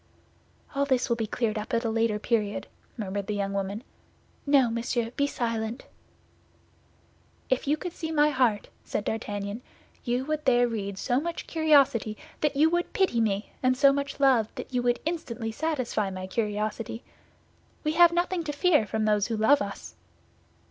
"All this will be cleared up at a later period," murmured the young woman; "no, monsieur, be silent." "If you could see my heart," said D'Artagnan, "you would there read so much curiosity that you would pity me and so much love that you would instantly satisfy my curiosity. We have nothing to fear from those who love us."